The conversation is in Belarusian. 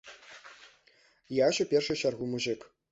Я ж у першую чаргу мужык.